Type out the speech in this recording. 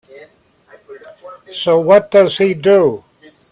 So what does he do?